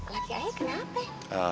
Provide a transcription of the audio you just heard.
laki ayah kenapa